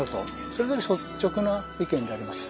それが率直な意見であります。